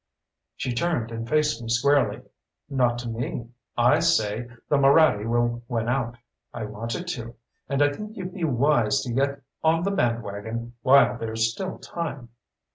She turned and faced me squarely. "Not to me. I say the Moraddy will win out. I want it to and I think you'd be wise to get on the bandwagon while there's still time."